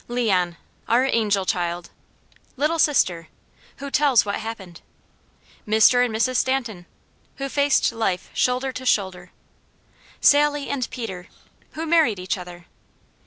LEON, Our Angel Child. LITTLE SISTER, Who Tells What Happened. MR. and MRS. STANTON, Who Faced Life Shoulder to Shoulder. SALLY and PETER, Who Married Each Other.